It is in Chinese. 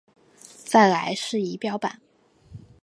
再来是仪表板